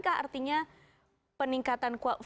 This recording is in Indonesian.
kak artinya peningkatan